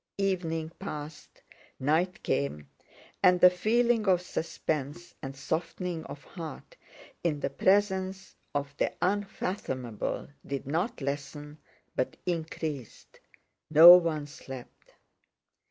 Evening passed, night came, and the feeling of suspense and softening of heart in the presence of the unfathomable did not lessen but increased. No one slept.